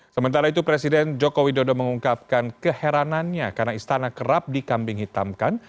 sementara itu presiden joko widodo mengungkapkan keheranannya karena istana kerap dikambing hitamkan